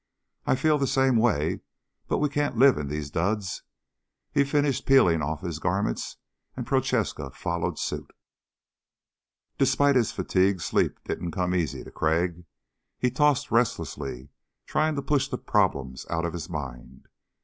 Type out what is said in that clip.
"I feel the same way but we can't live in these duds." He finished peeling off his garments and Prochaska followed suit. Despite his fatigue sleep didn't come easy to Crag. He tossed restlessly, trying to push the problems out of his mind.